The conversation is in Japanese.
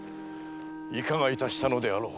いかがいたしたのであろう。